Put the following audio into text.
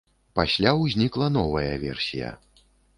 Пасля ўзнікла новая версія.